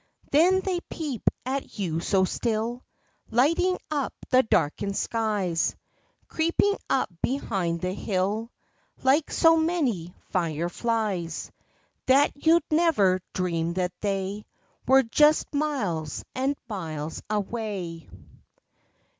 Then they peep at you so still, Lighting up the darkened skies, Creeping up behind the hill Like so many fire flies, That you'd never dream that they Were just miles and miles away.